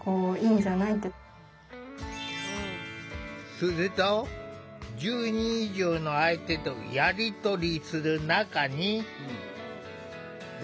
すると、１０人以上の相手とやりとりする仲に。